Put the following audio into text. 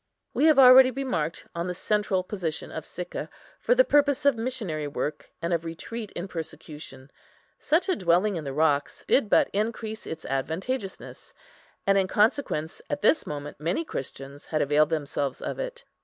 We have already remarked on the central position of Sicca for the purpose of missionary work and of retreat in persecution; such a dwelling in the rocks did but increase its advantageousness, and in consequence at this moment many Christians had availed themselves of it.